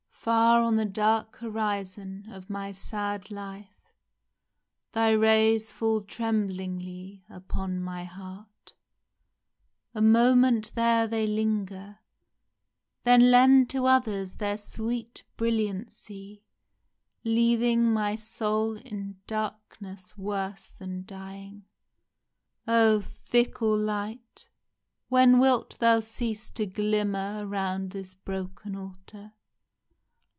Far on the dark horizon Of my sad life, thy rays fall tremblingly Upon my heart ; a moment there they linger, Then lend to others their sweet brilliancy, Leaving my soul in darkness worse than dying ! Oh, fickle Light ! when wilt thou cease to glimmer Around this broken altar